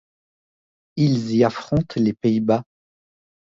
Ils y affrontent les Pays-Bas.